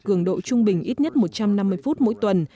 cường độ trung bình ít nhất một trăm năm mươi phút mỗi tuần